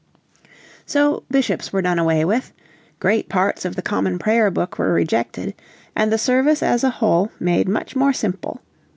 So bishops were done away with, great parts of the Common Prayer Book were rejected, and the service as a whole made much more simple.